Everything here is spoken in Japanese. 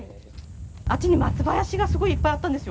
あっちに松林がすごいいっぱいあったんですよ。